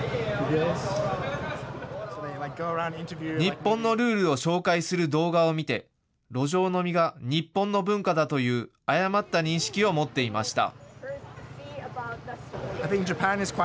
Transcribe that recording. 日本のルールを紹介する動画を見て路上飲みが日本の文化だという誤った認識を持っていました。